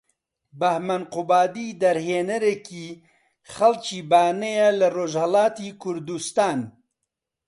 بەهمەن قوبادی دەرهێنەرێکی خەڵکی بانەیە لە رۆژهەڵاتی کوردوستان